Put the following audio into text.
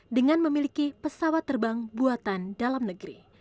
dengan memiliki pesawat terbang buatan dalam negeri